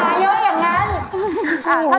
ไม่ใช่ขาเยอะอย่างนั้น